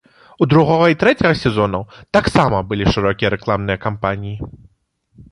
У другога і трэцяга сезонаў таксама былі шырокія рэкламныя кампаніі.